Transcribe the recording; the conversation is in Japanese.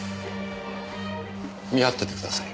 見張っててください。